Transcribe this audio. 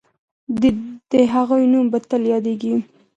د هغې نوم به تل یادېږي.